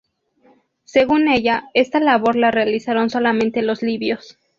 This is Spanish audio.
Según ella esta labor la realizaron solamente los libios.